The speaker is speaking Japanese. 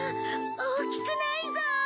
おおきくないぞ！